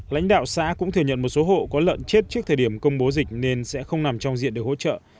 lãnh đạo xã cũng thừa nhận một số hộ có lợn chết trước thời điểm công bố dịch nên sẽ không nằm trong diện để hỗ trợ